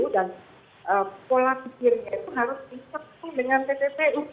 dan pola pikirnya itu harus dikumpul dengan pppu